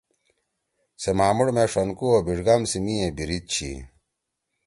سے مھامُوڑ مے ݜنکُو سی او بیڙگام سی می یے بیرید چھی۔